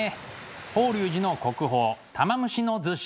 法隆寺の国宝「玉虫厨子」。